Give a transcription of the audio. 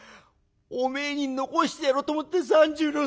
おめえに残してやろうと思った３０両